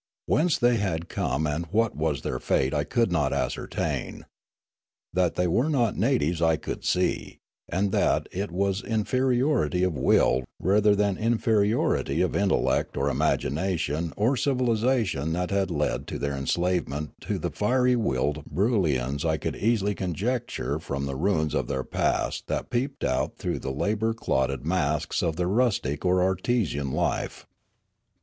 Whence they had come and what was their fate I could not ascertain. That they were not natives I could see ; and that it was in feriority of will rather than inferiority of intellect or imagination or civilisation that had led to their enslave ment to the fiery willed Broolyians I could easily con jecture from the ruins of their past that peeped out through the labour clotted masks of their rustic or artisan life.